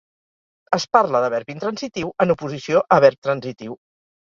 Es parla de verb intransitiu en oposició a verb transitiu.